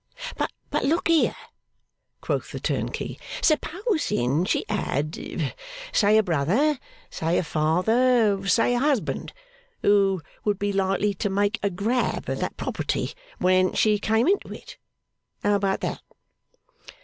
'But look here,' quoth the turnkey. 'Supposing she had, say a brother, say a father, say a husband, who would be likely to make a grab at that property when she came into it how about that?